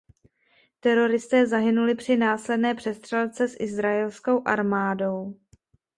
Teroristé zahynuli při následné přestřelce s izraelskou armádou.